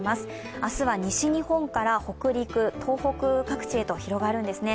明日は西日本から北陸、東北各地へと広がるんですね。